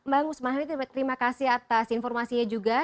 bang usman hamid terima kasih atas informasinya juga